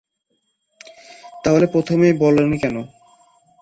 তাহলে প্রথমেই বলোনি কেন?